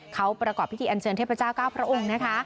เขาประกอบพิธีอันเชิญเทพเจ้าเก้าพระองค์นะคะ